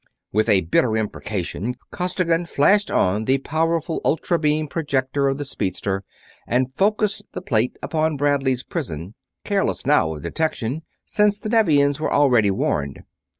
With a bitter imprecation Costigan flashed on the powerful ultra beam projector of the speedster and focused the plate upon Bradley's prison; careless now of detection, since the Nevians were already warned.